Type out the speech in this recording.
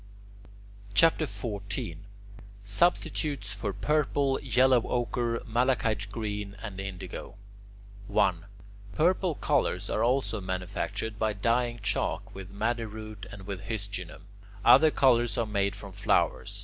CHAPTER XIV SUBSTITUTES FOR PURPLE, YELLOW OCHRE, MALACHITE GREEN, AND INDIGO 1. Purple colours are also manufactured by dyeing chalk with madder root and with hysginum. Other colours are made from flowers.